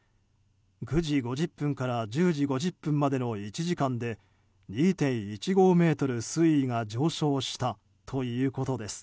９時５０分から１０時５０分までの１時間で２．１５ｍ水位が上昇したということです。